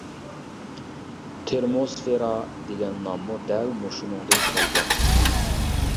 تېرموسفېرا دېگەن ناممۇ دەل مۇشۇنىڭدىن كەلگەن.